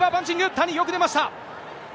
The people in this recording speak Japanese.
谷、よく出ました。